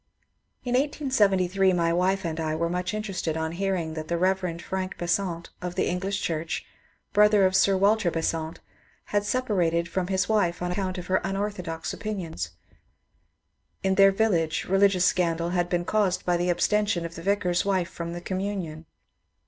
In 1878 my wife and I were much interested on hearing that the Rev. Frank Besant, of the English Church, brother of Sir Walter Besant, had separated from his wife on account of her unorthodox opinions. In their village religious scandal had been caused by the abstention of the vicar's wife from the communion.